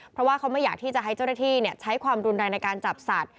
เพราะว่าเขาไม่อยากที่จะให้เจ้าหน้าที่ใช้ความรุนแรงในการจับสัตว